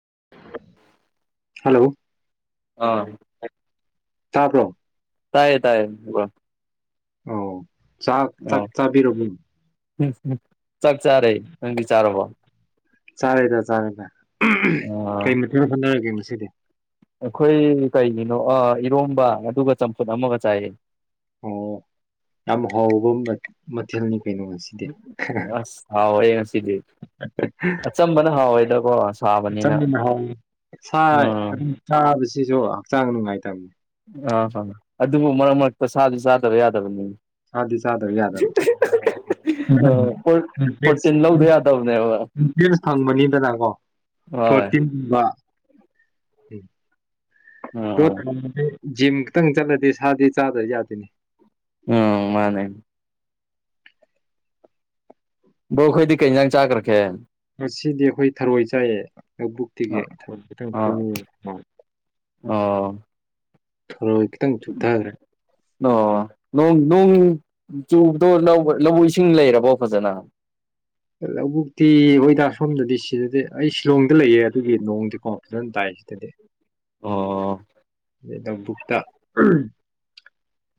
[unintelligible] hello ꯑꯥ ꯁꯥꯥꯄꯔꯣ ꯇꯥꯏꯌꯦ ꯇꯥꯏꯌꯦ ꯑꯗꯨꯒꯕ ꯑ ꯆꯥꯛ ꯊꯥꯛ ꯇꯥꯕꯤꯔꯃꯨꯡ ꯆꯞ ꯆꯥꯔꯦ ꯅꯪꯗꯤ ꯆꯥꯔꯕꯣ ꯆꯥꯔꯦ ꯊ ꯆꯥꯔꯦ ꯊ ꯑꯥ ꯀꯩ ꯃꯠꯇꯅ ꯍꯟꯅꯔꯒꯦ ꯃꯁ ꯑꯗꯨꯗ ꯑꯩꯈꯣꯏ ꯀꯩꯒꯤꯅꯣ ꯏꯔꯣꯝꯕ ꯑꯗꯨꯒ ꯆꯝꯐꯨꯠ ꯑꯃꯒ ꯆꯥꯏꯌꯦ ꯑꯣ ꯌꯥꯝ ꯍꯥꯎꯕ ꯃꯊꯦꯜꯅꯤ ꯀꯩꯅꯣ ꯉꯁꯤꯗꯤ ꯑꯁ ꯍꯥꯎꯋꯦ ꯉꯁꯤꯗꯤ ꯑꯆꯝꯕꯅ ꯍꯥꯎꯋꯦꯗꯀꯣ ꯁꯥꯕꯅꯤꯅ ꯆꯝꯅ ꯍꯥꯎꯋꯤ ꯎꯝ ꯁꯤꯁꯨ ꯍꯛꯆꯥꯡ ꯅꯨꯡꯉꯥꯏꯇꯕꯅꯦ ꯑꯥ ꯑꯥ ꯑꯗꯨꯕꯨ ꯃꯔꯛ ꯃꯔꯛꯇ ꯁꯥꯁꯨ ꯆꯥꯗꯕ ꯌꯥꯗꯕꯅꯤ ꯆꯥꯗꯤ ꯆꯥꯗꯕ ꯌꯥꯗꯕꯝꯁ ꯑꯥ ꯄ꯭ꯔꯣ ꯄ꯭ꯔꯣꯇꯤꯟ ꯂꯧꯗ ꯌꯥꯗꯕꯅꯦꯕ ꯎꯇꯁ ꯐꯪꯕꯅꯤꯗꯅꯀꯣ ꯍꯣꯏ ꯐꯣꯔꯇꯤꯟꯒꯨꯝꯕ ꯎꯝ ꯎꯝ ꯇ ꯎꯝ ꯊ ꯖꯤꯝ ꯈꯤꯛꯇꯪ ꯆꯠꯂꯗꯤ ꯁꯥꯗꯤ ꯆꯥꯗ꯭ꯔ ꯌꯥꯗꯣꯏꯅꯤ ꯎꯝ ꯃꯥꯅꯦ ꯕꯧꯈꯣꯏꯗꯤ ꯀꯩ ꯌꯦꯟꯖꯥꯡ ꯆꯥꯈ꯭ꯔꯛꯀꯦ ꯉꯗꯤ ꯑꯩꯈꯣꯏ ꯊꯔꯣꯏ ꯆꯥꯏꯑ ꯂꯧꯕꯨꯛꯇꯤꯒꯤ ꯑꯥ ꯈꯤꯇꯪ ꯑꯥ ꯑꯣ ꯊꯔꯣꯏ ꯈꯤꯇꯪ ꯆꯨꯞꯊꯈ꯭ꯔꯦ ꯑꯣ ꯅꯣꯡ ꯆꯨꯕꯗꯣ ꯂꯧꯧꯕ ꯏꯁꯤꯡ ꯂꯩꯔꯕꯣ ꯐꯖꯅ ꯂꯧꯕꯨꯛꯇꯤ ꯍꯣꯏꯗ ꯁꯣꯝꯗꯗꯤ ꯁꯤꯗꯗꯤ ꯑꯩ ꯁꯤꯂꯣꯡꯗ ꯂꯩꯌꯦ ꯑꯗꯨꯒꯤ ꯅꯣꯡꯗꯤꯀꯣ ꯐꯖꯅ ꯇꯥꯏ ꯁꯤꯗꯗꯤ ꯑꯣ ꯑꯩ ꯅꯧꯕꯨꯛꯇ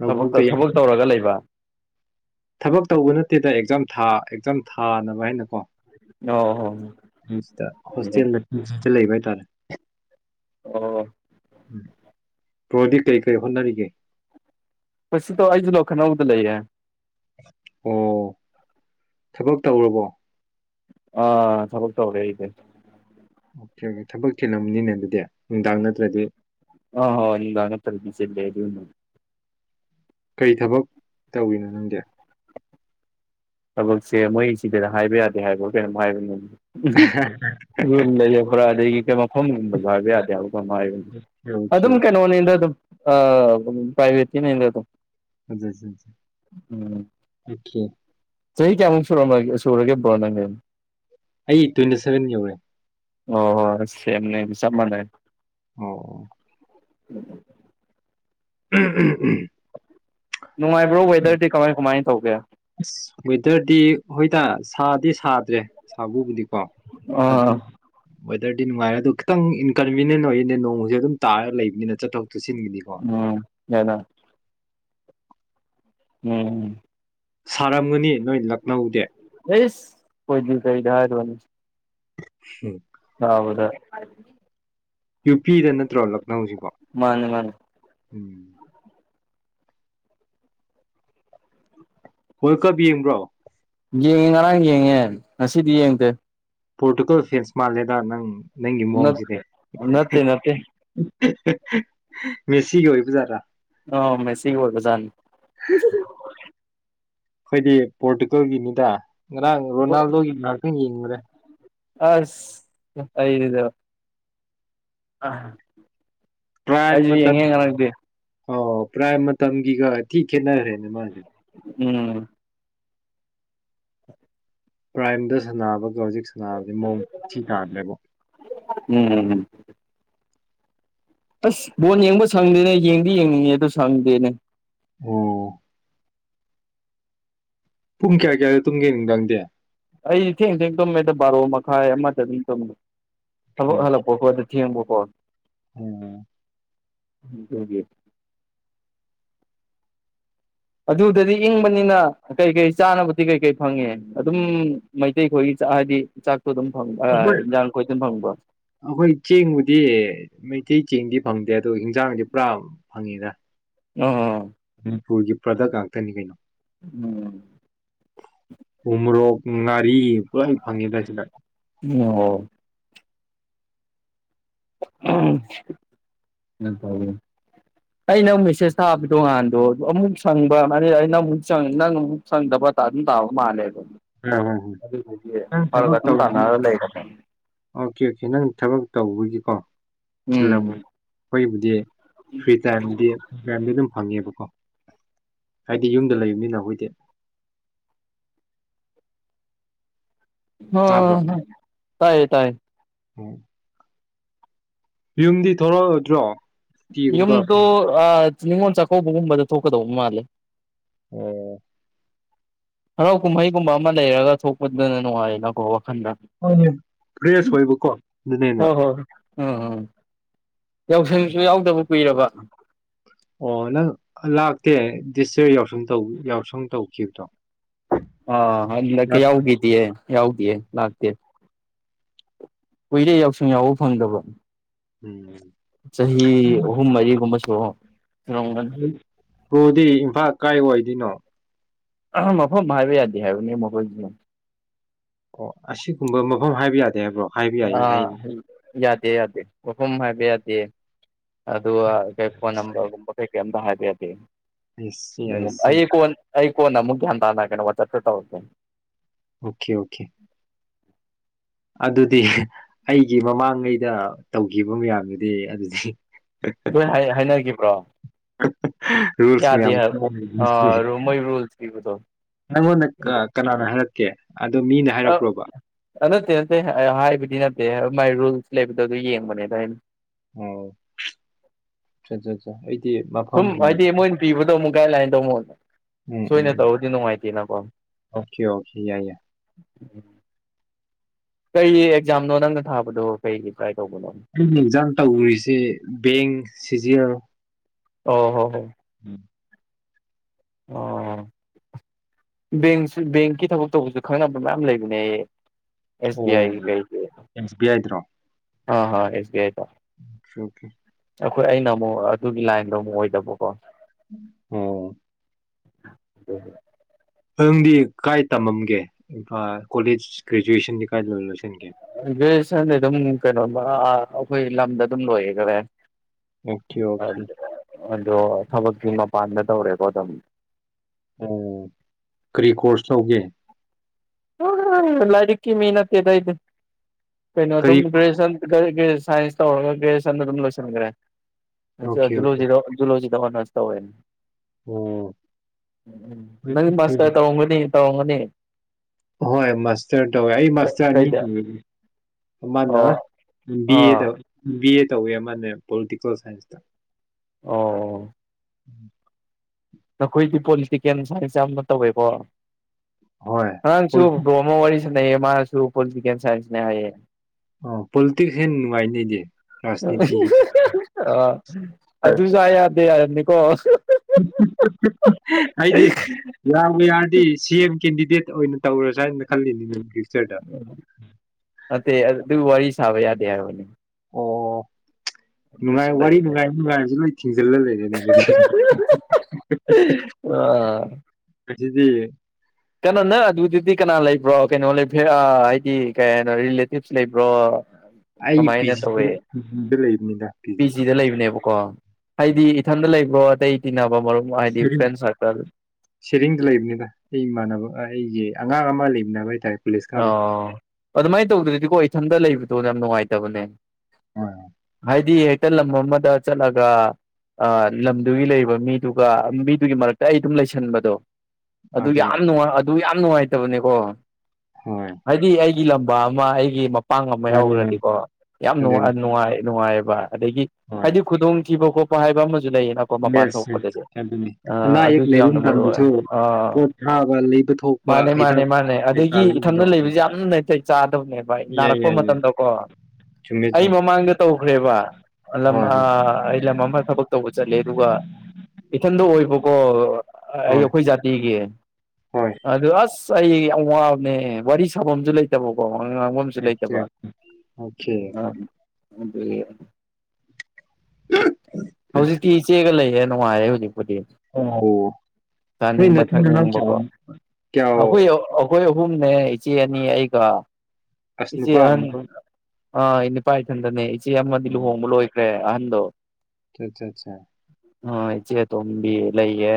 ꯊ ꯊꯕꯛ ꯇꯧꯔꯒ ꯂꯩꯕ ꯊꯕꯛ ꯇꯧꯕ ꯅꯠꯇꯦꯗ ꯑꯦꯛꯖꯥꯝ ꯊꯥ ꯑꯦꯛꯖꯥꯝ ꯊꯥꯅꯕ ꯍꯥꯏꯅꯀꯣ ꯑꯣ ꯍꯣ ꯍꯣꯁꯇꯦꯜ ꯂꯩꯕ ꯍꯥꯏꯇꯥꯔꯦ ꯑꯣ ꯄ꯭ꯔꯣꯗꯤ ꯀꯔꯤ ꯀꯔꯤ ꯍꯣꯠꯅꯔꯤꯒꯦ ꯃꯁꯤꯇ ꯑꯩꯁꯨ ꯂꯈꯅꯧꯗ ꯂꯩꯌꯦ ꯑꯣ ꯊꯕꯛ ꯇꯧꯔꯕꯣ ꯑꯥ ꯊꯕꯛ ꯇꯧꯔꯦ ꯑꯩꯁ ꯑꯣꯀꯦ ꯑꯣꯀꯦ ꯊꯕꯛꯀꯤꯤꯂꯝꯅꯤꯅꯦ ꯑꯗꯨꯗꯤ ꯅꯨꯡꯗꯥꯡ ꯅꯠꯇ꯭ꯔꯗꯤ ꯑ ꯍꯥꯎ ꯏꯉ ꯇꯁꯤ ꯂꯩꯦ ꯀꯔꯤ ꯊꯕꯛ ꯇꯧꯔꯤꯤꯅꯣ ꯅꯪꯒꯤ ꯊꯕꯛꯁꯦ ꯃꯣꯏ ꯁꯤꯗꯅ ꯍꯥꯏꯕ ꯌꯥꯗꯦ ꯍꯥꯏꯕꯣ ꯀꯩꯅꯣꯝ ꯍꯥꯏꯕꯅꯤ ꯎꯝꯨ ꯂꯩꯔꯕ꯭ꯔꯥ ꯑꯗꯒꯤ ꯀ ꯃꯐꯝ ꯌꯕ ꯍꯥꯏꯕ ꯌꯥꯗꯦꯕ ꯀꯣꯕꯅꯤ ꯑꯣꯀꯦ ꯑꯗꯨꯝ ꯀꯩꯅꯣꯅꯤꯗ ꯑꯗꯨꯝ ꯑ ꯄꯥꯏꯕꯇꯤ ꯅ ꯂꯩ ꯇꯣ ꯑ ꯑꯣꯀꯦ ꯆꯍꯤ ꯀꯦꯃꯣ ꯁꯨꯔ ꯑꯃ ꯁꯨꯔꯒꯦ ꯅꯥꯒꯅꯤ ꯑꯩ ꯇ꯭ꯋꯦꯟꯇꯤ ꯁꯚꯦꯟ ꯌꯧꯔꯦ ꯑꯣ ꯍꯣꯏ ꯁꯦꯝꯅꯦ ꯆ ꯃꯅꯦ ꯑꯣ ꯎꯝ ꯎꯝ ꯎꯝ ꯎꯝ ꯎꯝ ꯅꯨꯡꯉꯥꯏꯕ꯭ꯔꯣ ꯋꯦꯗꯔꯗꯤ ꯀꯃꯥꯏ ꯀꯃꯥꯏꯅ ꯇꯧꯒꯦ ꯑꯁ ꯋꯦꯗꯔꯗꯤ ꯍꯣꯏꯗ ꯁꯥꯗꯤ ꯁꯥꯗ꯭ꯔꯦ ꯁꯥꯕꯨꯗꯤ ꯀ ꯑꯗꯨꯝ ꯑꯥ ꯋꯦꯗꯔꯗꯤ ꯅꯨꯡꯉꯥꯏꯔꯦ ꯑꯗꯨꯣ ꯈꯤꯇꯪ ꯏꯟꯀꯟꯕꯤꯅꯦꯟ ꯑꯣꯏꯌꯦꯅꯦ ꯅꯣꯡꯁꯦ ꯑꯗꯨꯝ ꯇꯥꯔꯒ ꯂꯩꯕꯅꯤꯅ ꯆꯠꯊꯣꯛ ꯆꯠꯁꯤꯟꯒꯤꯗꯤꯀꯣ ꯎꯝ ꯍꯗꯥ ꯎꯝ ꯁꯥꯔꯝꯒꯅꯤ ꯅꯣꯏ ꯂꯈꯅꯧꯗꯤ ꯑꯁ ꯀꯣꯏ ꯀꯔꯤꯗ ꯍꯥꯏꯔ ꯋꯥꯅꯤ ꯎꯝ ꯍꯥꯎꯗ ꯌꯨ ꯄꯤꯗꯅ ꯊ꯭ꯔꯣꯂꯣ ꯃꯥꯅꯦ ꯃꯥꯅꯤ ꯎꯝ ꯍꯣꯏ ꯀꯕ ꯌꯦꯡꯕ꯭ꯔꯣ ꯌꯦꯡꯉꯦ ꯉꯔꯥꯡ ꯌꯦꯡꯉꯦ ꯉꯁꯤꯗꯤ ꯌꯦꯡꯗꯦ ꯄꯣꯔꯇꯨꯒꯜ ꯐ꯭ꯔꯦꯟꯁ ꯃꯥꯜꯂꯦꯗ ꯅꯪ ꯅꯪꯒꯤ ꯃꯑꯣꯡꯁꯤꯅꯦ ꯅꯠꯇꯦ ꯅꯠꯇꯦ ꯃꯦꯁꯤꯒꯤ ꯑꯣꯏꯔꯤꯕꯕꯖꯥꯔꯥ ꯑ ꯃꯁꯤ ꯔꯖꯥꯟ ꯑꯩꯈꯣꯏꯗꯤ ꯄꯣꯔꯇꯨꯒꯜꯒꯤꯅꯤꯗ ꯉꯔꯥꯡ ꯔꯣꯅꯥꯜꯗꯣꯒꯤ ꯉꯥꯏꯍꯥꯛꯇꯪ ꯌꯦꯡꯉꯨꯔꯦ ꯑꯁ ꯑꯩꯗꯕ ꯑ ꯑꯩꯁꯨ ꯌꯦꯡꯉꯦ ꯉꯅꯛꯇꯦ ꯑ ꯄ꯭ꯔꯥꯏ ꯃꯇꯝꯒꯤꯒ ꯊꯤ ꯈꯦꯠꯅꯈ꯭ꯔꯦꯅꯦ ꯃꯥꯁꯦ ꯎꯝ ꯄ꯭ꯔꯥꯏꯝꯗ ꯁꯥꯟꯅꯕꯒ ꯍꯧꯖꯤꯛ ꯁꯥꯟꯅꯕꯁ ꯃꯑꯣꯡ ꯊꯤ ꯇꯥꯗ꯭ꯔꯦꯕ ꯎꯝꯝ ꯑꯁ ꯕꯣꯜ ꯌꯦꯡꯕ ꯁꯪꯗꯦꯅꯦ ꯌꯦꯡꯗꯤ ꯌꯦꯡꯅꯤꯡꯉꯦ ꯑꯗꯨ ꯁꯪꯗꯦꯅꯦ ꯑꯣ ꯄꯨꯡ ꯀꯌꯥ ꯀꯌꯥꯗꯣ ꯇꯨꯡꯒꯦ ꯅꯨꯡꯗꯥꯪꯗꯦ ꯑꯩꯗꯤ ꯊꯦꯡ ꯊꯦꯡ ꯇꯨꯝꯃꯦꯗ ꯕꯥꯔꯣ ꯃꯈꯥꯏ ꯑꯃꯗ ꯑꯗꯨꯝ ꯇꯨꯝꯃꯦ ꯍꯜꯣ ꯍꯜꯂꯣ ꯄꯣꯛꯗ ꯊꯦꯝꯕꯨꯀꯣ ꯍꯝ ꯖꯒꯦ ꯑꯗꯨꯗꯗꯤ ꯏꯪꯕꯅꯤꯅ ꯀꯩꯀꯩ ꯆꯥꯅꯕꯗꯤ ꯀꯩꯀꯔꯤ ꯐꯪꯉꯦ ꯑꯗꯨꯝ ꯃꯩꯇꯩ ꯈꯣꯏꯒꯤ ꯍꯥꯏꯕꯗꯤ ꯆꯥꯛ ꯑꯗꯨꯝ ꯑꯩꯈꯣꯏ ꯐꯪꯕ ꯏꯟꯖꯥꯡꯈꯣꯏ ꯑꯗꯨꯝ ꯐꯪꯕ ꯑꯩꯈꯣꯏ ꯆꯦꯡꯕꯨꯗꯤ ꯏꯊꯤ ꯆꯦꯡꯗꯤ ꯐꯪꯗꯦ ꯑꯗ ꯍꯤꯟꯖꯥꯡꯗꯤ ꯄꯨꯔꯥ ꯐꯪꯉꯤꯗ ꯎꯝ ꯃꯅꯤꯄꯨꯔꯒꯤ ꯄ꯭ꯔꯗꯛ ꯉꯥꯛꯇꯅꯤ ꯀꯩꯅꯣ ꯎꯝ ꯎꯃꯔꯣ ꯉꯔꯤ ꯄꯔꯥꯏ ꯐꯥꯉꯤꯒꯦꯁꯤꯥꯏ ꯑꯣ ꯑꯩꯅ ꯃꯦꯁꯦꯁ ꯊꯥꯕꯗꯣꯀꯥꯟꯗꯣ ꯑꯃꯨꯛ ꯁꯪꯕ ꯑꯩꯅ ꯑꯃꯨꯛ ꯅꯪ ꯑꯃꯨꯛ ꯁꯪꯗꯕ ꯑꯗꯨꯝ ꯇꯥꯕ ꯃꯥꯜꯂꯦꯕ ꯍꯣꯏꯣꯏ ꯑꯗꯨꯗꯨꯒꯤ ꯅꯪ ꯐꯔꯛ ꯊꯕꯛ ꯑꯗꯨꯝ ꯇꯧꯕ ꯇꯥꯟꯅꯔ ꯂꯩꯔꯕ ꯑꯣꯀꯦ ꯑꯣꯀꯦ ꯅꯪ ꯊꯕꯛ ꯇꯧꯕꯒꯤ ꯑ ꯆꯤꯜꯂꯝ ꯎꯝ ꯑꯩꯈꯣꯏꯕꯨꯗꯤ ꯐ꯭ꯔꯤ ꯇꯥꯏꯝꯗꯤꯗꯤ ꯑꯗꯨꯝ ꯐꯪꯉꯦꯕꯀꯣ ꯍꯥꯏꯗꯤ ꯌꯨꯝꯗ ꯂꯩꯕꯅꯤꯅ ꯑꯩꯈꯣꯏꯗꯤ ꯑꯣ ꯍ ꯇꯥꯏꯌꯦ ꯇꯥꯏꯌꯦ ꯎꯝ ꯌꯨꯝꯗꯤ ꯊꯣꯔꯛꯑꯗ꯭ꯔꯣ ꯌꯨꯝꯗꯨ ꯑ ꯅꯤꯉꯣꯜ ꯆꯥꯛꯀꯧꯕꯒꯨꯝꯕꯗ ꯊꯣꯛꯀꯗꯧꯕ ꯃꯥꯜꯂꯦ ꯑꯣ ꯍꯔꯥꯎ ꯀꯨꯝꯍꯩꯒꯨꯝꯕ ꯑꯃ ꯂꯩꯔꯒ ꯊꯣꯛꯄꯗꯨꯅ ꯅꯨꯡꯉꯥꯏꯌꯦꯅꯀꯣ ꯋꯥꯈꯟꯗ ꯍꯅꯦ ꯐ꯭ꯔꯦꯁ ꯑꯣꯏꯕꯀꯣ ꯑꯗꯨꯅꯦꯅ ꯎꯝꯝ ꯌꯥꯎꯁꯪꯁꯨ ꯌꯥꯎꯗꯕ ꯀꯨꯏꯔꯕ ꯑꯣ ꯅꯪ ꯂꯥꯛꯇꯦ ꯗꯤꯁꯔ ꯌꯥꯎꯁꯪꯧ ꯌꯥꯎꯁꯪ ꯇꯧꯈꯤꯕꯗꯣ ꯑ ꯍꯗꯀ ꯌꯥꯎꯒꯇꯑꯌꯦ ꯌꯥꯎꯗꯤꯌꯦ ꯂꯥꯛꯇꯦ ꯀꯨꯏꯔꯦ ꯌꯥꯎꯁꯪ ꯌꯥꯎꯕ ꯐꯪꯗꯕ ꯎꯝ ꯆꯍꯤ ꯑꯍꯨꯝ ꯃꯔꯤꯒꯨꯝꯕ ꯑꯣ ꯔꯣꯒꯜ ꯍꯗꯤ ꯏꯝꯐꯥꯜ ꯀꯥꯏ ꯑꯣꯏꯗꯣꯏꯅꯣ ꯑ ꯃꯐꯝ ꯍꯥꯏꯕ ꯌꯥꯗꯦ ꯍꯥꯏꯕꯅꯤ ꯃꯐꯝꯁꯤ ꯑꯣ ꯑꯁꯤꯒꯨꯝꯕ ꯃꯐꯝ ꯍꯥꯏꯕ ꯌꯥꯗꯦ ꯍꯥꯏꯕ꯭ꯔꯣ ꯍꯥꯏꯕ ꯌꯥꯏ ꯑꯥ ꯍꯥꯏꯅꯤ ꯌꯥꯗꯦ ꯌꯥꯗꯦ ꯋꯥꯍꯐꯝ ꯍꯥꯏꯕ ꯌꯥꯗꯦ ꯑꯗꯨ ꯀ ꯐꯣꯟ ꯅꯝꯕꯔꯒꯨꯝꯕ ꯀꯩ ꯀꯊ ꯍꯥꯏꯗꯤꯗꯤ ꯑꯩꯁ ꯎ ꯌꯥꯏꯁꯤ ꯑꯩ ꯀꯣꯟ ꯑꯩ ꯀꯣꯟꯅ ꯑꯃꯨꯛ ꯒ꯭ꯌꯥ ꯇꯥꯅꯒꯅꯤ ꯋꯥ ꯆꯠꯁꯨ ꯇꯧꯔꯒꯦ ꯑꯣꯀꯦ ꯑꯣꯀꯦ ꯑꯗꯨꯗꯤ ꯑꯩꯒꯤ ꯃꯃꯥꯡꯉꯩꯗ ꯇꯧꯈꯤꯕ ꯃꯌꯥꯝꯗꯨꯗꯤ ꯑꯗꯨꯗꯤ ꯅꯣꯏ ꯍꯥꯏꯅꯈꯤꯕ꯭ꯔꯣ ꯔꯨꯜꯁ ꯌꯥꯗꯦ ꯃꯌꯥꯝ ꯃꯣꯏ ꯔꯨꯜꯁ ꯄꯤꯕꯗꯣ ꯑꯣ ꯑꯗꯣ ꯃꯤꯅ ꯍꯥꯏꯔꯛꯄ꯭ꯔꯣꯕ ꯅꯠꯇꯦ ꯅꯠꯇꯦ ꯑ ꯍꯥꯏꯕꯗꯤ ꯅꯠꯇꯦ ꯃꯥꯏ ꯔꯨꯜꯁ ꯂꯩꯕꯗꯣ ꯑꯗꯨ ꯌꯦꯡꯕꯅꯦꯗ ꯍꯥꯏꯩꯅ ꯑꯣꯠꯆꯥ ꯑꯠ ꯁꯨꯝ ꯍꯥꯏꯗꯤ ꯃꯣꯏꯅ ꯄꯤꯕꯗꯣ ꯑꯃꯨꯛ ꯒꯥꯏꯗ ꯃꯣꯣꯟ ꯎꯝ ꯎꯝ ꯎꯝ ꯑꯣꯀꯦ ꯑꯣꯀꯦ ꯌꯥꯏ ꯌꯥꯏ ꯎꯝ ꯀꯩ ꯑꯦꯛꯖꯥꯝꯅꯣ ꯅꯪꯅ ꯊꯥꯕꯗꯣ ꯀꯩꯒꯤ ꯇꯥꯏ ꯑꯩꯅ ꯌꯦꯟꯖꯥꯡ ꯇꯧꯔꯤꯁꯦ ꯕꯦꯡ ꯁꯤ ꯖꯤ ꯑꯣ ꯍꯣ ꯍꯣ ꯎꯝ ꯑꯣ ꯕꯦꯡꯁꯨ ꯕꯦꯡꯀꯤ ꯊꯕꯛ ꯇꯧꯕꯁꯨ ꯈꯪꯅꯕ ꯃꯌꯥꯝ ꯂꯩꯕꯅꯦ ꯑꯩ ꯑꯣꯦꯝꯁꯤꯕꯤ ꯍꯥꯏꯥꯏꯗ꯭ꯔꯣ ꯑꯥ ꯍꯥ ꯑꯦꯁ ꯕꯤ ꯑꯥꯏꯗ ꯑꯣ ꯑꯣꯀꯦ ꯑꯩꯈꯣꯏ ꯑꯩꯅ ꯑꯃꯨꯛ ꯑꯗꯨꯒꯤ ꯂꯥꯏꯟꯗꯣ ꯑꯃꯨꯛ ꯑꯣꯏꯗꯕꯀꯣ ꯑꯣ ꯎꯝ ꯅꯪꯗꯤ ꯀꯥꯏ ꯇꯝꯃꯝꯒꯦ ꯏꯝ ꯀꯣꯂꯦꯖ ꯒ꯭ꯔꯦꯖꯨꯑꯦꯁꯟꯗꯤ ꯀꯥꯏ ꯂꯣꯏꯔꯣꯏꯁꯤꯦ ꯦꯁꯅꯤ ꯑꯗꯨꯝ ꯀꯩꯅꯣ ꯑꯩꯈꯣꯏ ꯂꯝꯗ ꯑꯗꯨꯝ ꯂꯣꯏꯌꯦꯦꯈꯔꯦ ꯑꯣꯀꯦ ꯑꯣꯀꯦ ꯑꯗꯨ ꯊꯕꯛꯀꯤꯃ ꯄꯥꯟꯗ ꯇꯧꯔꯦꯀꯣ ꯑꯗꯨꯃ ꯀꯔꯤ ꯀꯣꯔꯁ ꯇꯧꯒꯦ ꯍ ꯂꯔꯤꯀꯤ ꯃꯅꯇꯩꯦꯗ ꯏꯗ ꯀꯩꯅꯣ ꯑꯗꯨꯝ ꯀꯔꯤ ꯗ꯭ꯔꯦꯁ ꯁꯥꯏꯟꯁ ꯇꯧꯔꯒ ꯀꯦ ꯁꯟꯗꯔꯝ ꯂꯣꯏꯁꯤꯟꯈ꯭ꯔꯦ ꯑꯣꯀꯦ ꯑꯣꯀꯦ ꯨꯂꯣꯖꯤꯔꯣꯖꯂꯖꯤ ꯗꯣꯣꯟꯁ ꯇ ꯑꯣꯏꯣꯏ ꯑꯣ ꯅ ꯃꯁ ꯀ ꯇ ꯍꯒꯅꯤ ꯇꯣꯡꯒꯅꯤ ꯍꯣꯏ ꯃꯥꯁꯇꯔ ꯇꯧꯋꯦ ꯑꯩ ꯃꯥꯁꯇꯔ ꯑꯅꯤ ꯀꯩꯗ ꯑꯃꯅ ꯑꯣ ꯕꯤ ꯑꯦ ꯇ ꯑꯥ ꯕꯤ ꯑꯦ ꯇꯧꯋꯦ ꯃꯥꯅꯦ ꯄꯣꯂꯤꯇꯤꯀꯦꯜ ꯁꯥꯏꯟꯁꯇ ꯑꯣ ꯎꯝ ꯅꯈꯣꯏꯗꯤ ꯄꯣꯂꯤꯇꯤꯀꯦꯜ ꯁꯥꯏꯟꯁ ꯌꯥꯝꯅ ꯇꯧꯋꯦꯀꯣ ꯍꯣꯏ ꯉꯔꯥꯪꯁꯨ ꯕꯔꯣ ꯑꯃ ꯋꯥꯔꯤ ꯃꯥꯁꯨ ꯄꯣꯂꯤꯇꯤꯀꯦꯜ ꯁꯥꯏꯟꯁꯅꯦ ꯍꯥꯏꯌꯦ ꯑꯣ ꯄꯣꯂꯤꯇꯤꯛꯁ ꯍꯦꯟꯅ ꯅꯨꯡꯉꯥꯏꯅꯤꯗꯤ ꯔꯥꯖꯅꯤꯇꯤꯒꯤꯗꯤ ꯑ ꯑꯗꯨꯁꯨ ꯌꯥꯔꯅꯤꯀꯣ ꯎ ꯎ ꯎ ꯑꯩꯗꯤ ꯌꯥꯕꯨ ꯌꯥꯔꯗꯤ ꯁꯤ ꯑꯦꯝ ꯀꯦꯟꯗꯤꯗꯦꯠ ꯑꯣꯏꯅ ꯇꯧꯔꯁ ꯍꯥꯏꯅ ꯈꯜꯂꯤꯅꯦ ꯅꯪꯒꯤꯁꯦ ꯑꯣ ꯑ ꯑꯗꯨ ꯋꯥꯔꯤ ꯁꯥꯕ ꯌꯥꯗꯦ ꯍꯥꯏꯔꯕꯅꯦ ꯑꯣ ꯅꯨꯡꯉꯥꯏ ꯋꯥꯔꯤ ꯂꯩꯌꯦꯅꯦ ꯅꯨꯡꯉꯥꯏ ꯅꯨꯡꯉꯥꯏꯕꯁꯨ ꯂꯣꯏ ꯊꯤꯡꯖꯤꯜꯂ ꯂꯩꯔꯦꯅꯦ ꯑꯗꯨꯗꯤ ꯑ ꯑꯗꯨꯗꯤ ꯀꯩꯅꯣ ꯅ ꯑꯗꯨꯗꯗꯤ ꯀꯅꯥ ꯂꯩꯕ꯭ꯔꯣ ꯀꯩꯅꯣ ꯂꯩꯕꯦ ꯍꯥꯏꯗꯤ ꯀꯩꯅꯣ ꯔꯤꯂꯦꯇꯤꯞꯁ ꯂꯩꯕ꯭ꯔꯣ ꯑꯩ ꯀꯃꯥꯏꯅ ꯄꯤꯖꯤꯗ ꯇꯧꯋꯦ ꯄꯤꯖꯤꯗ ꯂꯩꯕꯅꯤꯗ ꯄꯤꯖꯤꯗ ꯂꯩꯕꯅꯦꯕꯀꯣ ꯍꯥꯏꯗꯤ ꯏꯊꯟꯗ ꯂꯩꯕ꯭ꯔꯣ ꯇꯩ ꯔꯤꯡ ꯁꯦꯔꯤꯡꯗ ꯂꯩꯕꯅꯤꯗ ꯑꯩ ꯏꯃꯥꯟꯅꯕ ꯑꯩꯁꯦ ꯑꯉꯥꯡ ꯑꯃ ꯂꯩꯃꯤꯟꯅꯅꯕ ꯍꯥꯏꯇꯥꯔꯦ ꯀꯣꯂꯦꯖ ꯑ ꯀꯥꯕ ꯑꯗꯨꯃꯥꯏꯅ ꯇꯧꯗ꯭ꯔꯗꯤꯀꯣ ꯏꯊꯟꯇ ꯂꯩꯕꯗ ꯑꯗꯨ ꯌꯥꯝ ꯅꯨꯡꯉꯥꯏꯇꯕꯅꯦ ꯍꯣꯏ ꯍꯥꯏꯗꯤ ꯍꯦꯛꯇ ꯂꯝ ꯑꯃꯗ ꯆꯠꯂꯒ ꯂꯝꯗꯨꯒꯤ ꯂꯩꯔꯤꯕ ꯃꯤꯗꯨꯒ ꯃꯤꯗꯨꯒꯤ ꯃꯔꯛꯇ ꯑꯩ ꯑꯗꯨꯝ ꯂꯩꯁꯟꯕꯗꯣ ꯑꯗꯨ ꯑꯗꯨꯅꯤ ꯌꯥꯝ ꯅꯨꯡꯉꯥꯏ ꯑꯗꯨ ꯌꯥꯝ ꯅꯨꯡꯉꯥꯏꯦ ꯆꯠꯇꯕꯅꯦꯀꯣ ꯍꯣꯏ ꯍꯥꯏꯗꯤ ꯑꯩ ꯏ ꯂꯝꯕꯥ ꯑꯃ ꯑꯩꯒꯤ ꯄꯥꯡ ꯑꯃ ꯃꯥꯅꯤ ꯃꯥꯅꯤ ꯌꯥꯎꯈ꯭ꯔꯗꯤꯀꯣ ꯌꯥꯝ ꯅꯨꯡ ꯑꯗꯨꯅꯤ ꯅꯨꯡꯉꯥꯏ ꯅꯨꯡꯉꯥꯏꯑꯕ ꯕꯥ ꯑꯗꯒꯤ ꯍꯣꯏ ꯍꯥꯏꯗꯤ ꯈꯨꯗꯣꯡ ꯖꯤꯕ ꯀꯧꯕ ꯄꯃꯍꯥꯏꯕ ꯃ ꯌꯦꯁ ꯑꯗꯨꯅꯤ ꯑꯅꯥ ꯑ ꯑꯌꯦꯛ ꯑꯗꯨꯁꯨ ꯂꯩꯕ ꯌꯥꯝꯅ ꯃꯔꯨ ꯑꯣꯏ ꯃꯇꯝꯗꯁꯨ ꯑꯥ ꯄꯣꯠ ꯊꯥꯕ ꯂꯩꯕ ꯊꯣꯛꯄ ꯃꯥꯅꯦ ꯃꯥꯅꯦ ꯍꯤꯗꯥꯛ ꯃꯥꯅꯦ ꯀꯩꯀꯥ ꯏꯊꯟꯗ ꯂꯩꯕꯗꯣ ꯂꯩꯕꯁꯤꯁ ꯌꯥꯝꯅꯅꯨꯡꯉꯥꯏ ꯇꯦ ꯆꯥ ꯕꯅꯦꯕ ꯌꯥꯏ ꯅꯥꯔꯛꯄ ꯌꯥꯏ ꯌꯥꯏ ꯃꯇꯝꯗꯀꯣ ꯆꯨꯝꯃꯦ ꯑꯩ ꯆꯨꯝꯃꯦ ꯃꯃꯥꯡꯗ ꯇꯧꯈ꯭ꯔꯦꯕ ꯂꯝ ꯍꯣꯏ ꯍꯣꯏ ꯑꯩ ꯂꯝ ꯑꯃ ꯊꯕꯛ ꯇꯧꯕ ꯆꯠꯂꯦ ꯑꯗꯨꯒ ꯏꯊꯟꯗ ꯑꯣꯏꯕꯀꯣ ꯑꯩ ꯍꯣꯏ ꯑꯩꯈꯣꯏ ꯖꯥꯇꯤꯒꯤ ꯍꯣꯏ ꯑꯗꯨ ꯑꯁ ꯆꯍꯤꯒꯤ ꯑꯋꯥ ꯋꯥꯔꯤ ꯁꯕꯝꯁꯨ ꯂꯩꯇꯕꯣꯣ ꯋꯥ ꯉꯥꯡꯕꯁꯨ ꯑꯣꯀꯦ ꯂꯩꯇꯕ ꯑꯣꯀꯦ ꯎꯝ ꯎꯝ ꯎ ꯍꯧꯖꯤꯛꯇꯤ ꯏꯆꯦꯒ ꯂꯩ ꯑꯦꯅꯅꯨꯡꯉ ꯍꯥꯏ ꯑꯣ ꯃꯅꯥ ꯆꯥꯅꯤꯡꯕ ꯀ ꯊꯛꯅꯤꯡꯕꯀꯣ ꯀ ꯀ ꯑꯨꯝꯅꯦ ꯏꯆꯦ ꯑꯅꯤ ꯑꯩꯒ ꯑꯁ ꯏꯆꯦ ꯅꯨꯄꯥ ꯑꯍꯟ ꯑꯃ ꯑ ꯏꯅꯤ ꯄꯥꯏꯇꯟꯅꯦ ꯁꯤ ꯑꯃꯗꯤ ꯂꯨꯍꯣꯡꯕ ꯂꯣꯏꯈ꯭ꯔꯦ ꯏꯗꯣ ꯠꯆꯥ ꯑꯆꯥ ꯑ ꯏꯆꯦ ꯇꯝꯕꯤ ꯂꯩꯌꯦ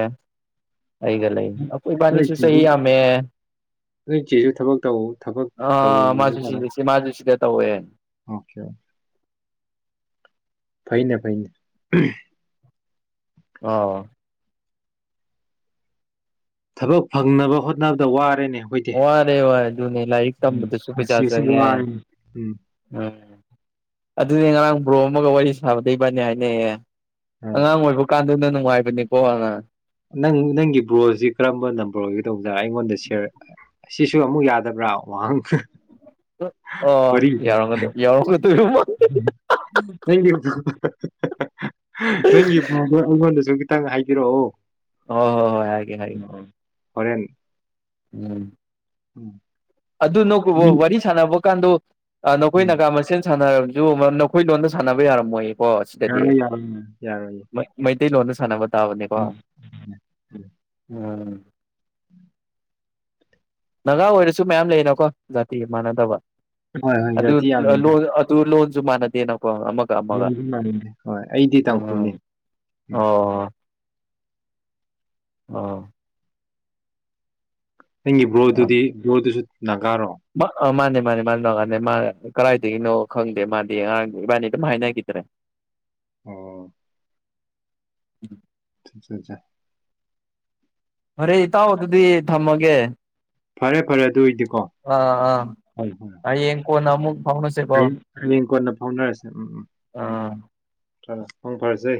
ꯑꯩꯒ ꯂꯩ ꯑꯩꯈꯣꯏꯕꯥꯅꯤꯁꯨ ꯆꯍꯤ ꯌꯥꯝꯃꯦ ꯑꯗꯨ ꯆꯦꯁꯨ ꯊꯕꯛ ꯇꯧ ꯊꯕꯛ ꯇꯧꯅ ꯗꯇꯨꯌꯦꯦ ꯑꯣꯀꯦ ꯐꯩꯅꯦ ꯐꯩꯅꯦ ꯑ ꯊꯕꯛ ꯐꯪꯅꯕ ꯍꯣꯠꯅꯕꯗ ꯋꯥꯔꯦꯅꯦ ꯑꯩꯈꯣꯏꯗꯤ ꯋꯥꯔꯦ ꯋꯥꯔꯦ ꯏ ꯎꯝ ꯁꯨꯄꯤ ꯆꯥꯖꯦ ꯄꯨꯟꯁꯤꯁꯤ ꯋꯥꯔꯦꯅꯦ ꯎꯝ ꯎꯝ ꯑꯗꯨꯗꯤ ꯕ꯭ꯔꯣ ꯑꯃꯒ ꯋꯥꯔꯤ ꯁꯥꯕꯗꯩꯕꯅꯤ ꯍꯥꯏꯅꯩꯌꯦ ꯑ ꯑꯉꯥꯡ ꯑꯣꯏꯕ ꯀꯥꯟ ꯅꯅꯨꯡꯉꯥꯏꯕꯅꯤꯣ ꯋꯥꯉ ꯅꯪ ꯅꯪꯒꯤ ꯕ꯭ꯔꯣꯁꯤ ꯀꯔꯝꯕ ꯅꯝꯕꯔ ꯑꯣꯏꯒ ꯇꯧꯖ ꯗ ꯁꯤꯔ ꯁꯤꯁꯨ ꯑꯃꯨꯛ ꯌꯥꯗꯕ꯭ꯔꯥ ꯋꯥꯍꯪ ꯑꯣ ꯋꯥꯔꯤ ꯌꯥꯎꯔꯝꯒꯗꯣꯏ ꯌꯥꯎꯔꯝꯒꯗꯣꯏ ꯊꯦꯡꯨ ꯅꯪꯒꯤꯣꯟ ꯆ ꯈꯤꯇꯪ ꯍꯥꯏꯕꯤꯔꯛꯑꯣ ꯍ ꯍꯣ ꯍꯣꯏ ꯍꯥꯏꯦ ꯍꯥꯏꯦ ꯍꯣꯔꯦꯟ ꯎꯝ ꯎꯝ ꯑꯗꯨ ꯅ ꯋꯥꯔꯤ ꯁꯥꯟꯅꯕ ꯀꯗ ꯅꯈꯣꯏ ꯎꯝ ꯅꯥꯒꯥ ꯃꯁꯦꯟ ꯁꯥꯟꯅꯔꯕꯅꯤ ꯑꯗꯨ ꯅꯈꯣꯏ ꯂꯣꯟꯗ ꯁꯥꯟꯅꯕ ꯌꯥꯔꯝꯃꯣꯏꯌꯦ ꯑꯣ ꯁꯤꯗꯗꯤꯩ ꯌꯥꯔꯣꯏ ꯌꯥꯔꯣꯏ ꯌꯥꯔꯣꯏ ꯇꯣꯟ ꯁꯥꯟ ꯇꯕꯅꯤꯀꯣ ꯎꯝ ꯎꯝ ꯎꯝ ꯎꯝ ꯒꯥ ꯑꯣꯏꯔꯁꯨ ꯃꯌꯥꯝ ꯂꯩꯅꯀꯣ ꯖꯥꯇꯤꯒ ꯃꯥꯟꯅꯗꯕ ꯍꯣꯏ ꯍꯣꯏ ꯑꯗꯨ ꯖꯥꯇꯤ ꯑꯗꯨ ꯂꯣꯟ ꯑꯗꯨ ꯂꯣꯟ ꯑꯗꯨꯃꯅꯗꯦꯅꯣ ꯃꯁꯨ ꯃꯗꯦ ꯍꯣꯏ ꯑꯩꯗꯤ ꯎꯝ ꯇꯥꯡꯈꯨꯜꯅꯤ ꯎꯝ ꯑꯥ ꯅꯪꯒꯤꯕꯣꯗꯨꯗꯤ ꯌꯣꯗꯨꯁꯨ ꯅꯥꯒꯥ ꯃꯥꯅꯦ ꯃꯥꯅꯦ ꯃꯥꯅꯤ ꯀꯥꯟꯗ ꯃꯥ ꯀꯗꯥꯏꯗꯒꯤꯅꯣ ꯈꯪꯗꯦ ꯃꯥꯗꯤ ꯑꯔꯥꯡ ꯏꯕꯥꯅꯤ ꯑꯗꯨꯝ ꯍꯥꯏꯅꯈꯤꯗ꯭ꯔꯦ ꯑꯣ ꯎꯝ ꯑ ꯐꯣꯔꯦ ꯏꯇꯥꯎ ꯑꯗꯨꯗꯤ ꯊꯝꯃꯒꯦ ꯐꯔꯦ ꯐꯔꯦ ꯑꯗꯨꯏꯗꯤꯀꯣ ꯑꯥ ꯑꯥ ꯍꯣꯏ ꯍꯣꯏ ꯍꯣꯏ ꯍꯌꯦꯡ ꯀꯣꯟꯅ ꯑꯃꯨꯛ ꯐꯥꯎꯅꯁꯦꯀꯣ ꯍꯌꯦꯡ ꯍꯌꯦꯡ ꯀꯣꯟꯅ ꯐꯥꯎꯅꯔꯁꯦ ꯎꯝ ꯎꯝ ꯑꯥ ꯐꯪ ꯐꯥꯔꯁꯦ